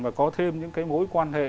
và có thêm những cái mối quan hệ